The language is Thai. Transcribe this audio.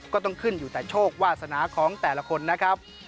ก็ต้องขึ้นอยู่แต่โชควาสนาของแต่ละคนนะครับ